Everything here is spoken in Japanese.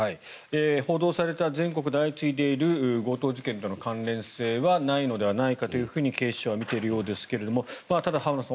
報道された全国で相次いでいる強盗事件との関連性はないのではないかと警視庁は見ているようですがただ、浜田さん